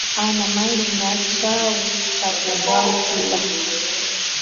Ana malinga chau chakuzaukila.